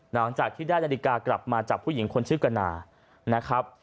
หลังจากที่ได้นาฬิกากลับมาจากผู้หญิงคนชื่อกนานะครับ